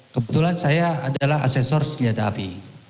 kebetulan saya adalah asesor senjata api